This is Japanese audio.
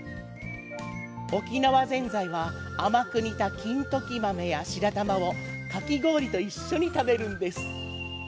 沖縄ぜんざいは甘く煮た金時豆や白玉をかき氷と一緒に食べるんです。